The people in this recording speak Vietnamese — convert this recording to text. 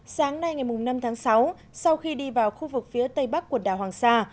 sáng nay ngày năm tháng sáu sau khi đi vào khu vực phía tây bắc quần đảo hoàng sa